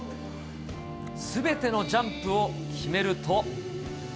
すべてのジャンプを決めると。